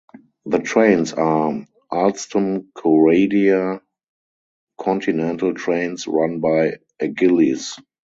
The trains are Alstom Coradia Continental trains run by Agilis.